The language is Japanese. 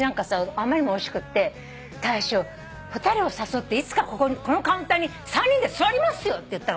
あまりにもおいしくって大将２人を誘っていつかこのカウンターに３人で座りますよって言ったの。